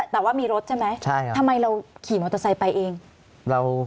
แต่ว่ามีรถใช่ไหมทำไมเราขี่มอเตอร์ไซค์ไปเอง